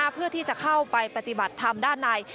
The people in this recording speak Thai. เพื่อที่จะเข้าไปปฏิบัติธรรมด้านใน